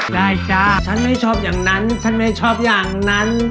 จ้าฉันไม่ชอบอย่างนั้นฉันไม่ชอบอย่างนั้น